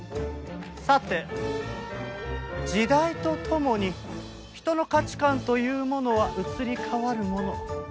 さて時代とともに人の価値観というものは移り変わるもの。